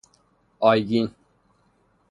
آیگین